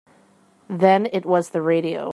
Then it was the radio.